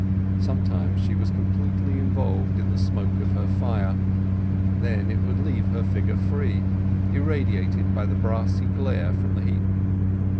Sometimes she was completely involved in the smoke of her fire; then it would leave her figure free, irradiated by the brassy glare from the heap.